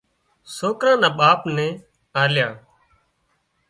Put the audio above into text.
سوڪرا نا ٻاپ نين آليا